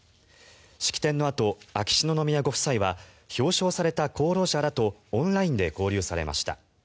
式典のあと、秋篠宮ご夫妻は表彰された功労者らとオンラインで交流されました。